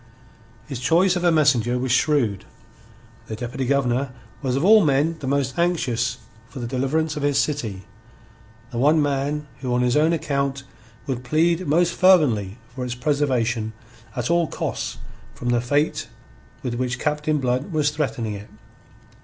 His choice of a messenger was shrewd. The Deputy Governor was of all men the most anxious for the deliverance of his city, the one man who on his own account would plead most fervently for its preservation at all costs from the fate with which Captain Blood was threatening it.